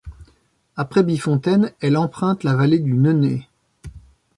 Après Biffontaine, elle emprunte la vallée du Neuné.